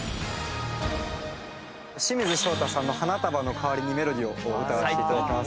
清水翔太さんの『花束のかわりにメロディーを』を歌わせて頂きます。